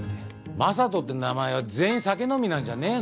マサトって名前は全員酒飲みなんじゃねぇの？